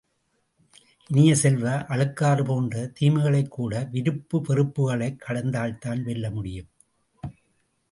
இனிய செல்வ, அழுக்காறு போன்ற தீமைகளைக் கூட விருப்பு வெறுப்புக்களைக் கடந்தால்தான் வெல்லமுடியும்.